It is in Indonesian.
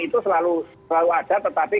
itu selalu ada tetapi